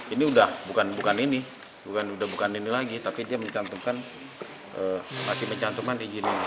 ini udah bukan ini bukan ini lagi tapi dia mencantumkan masih mencantumkan izin ini